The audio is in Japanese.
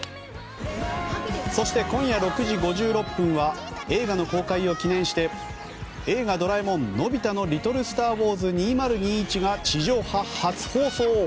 そして、今夜６時５６分は映画の公開を記念して「映画ドラえもんのび太の宇宙小戦争２０２１」が地上波初放送！